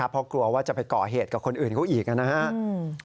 เพราะกลัวว่าจะไปก่อเหตุกับคนอื่นเขาอีกนะครับ